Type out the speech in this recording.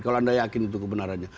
kalau anda yakin itu kebenarannya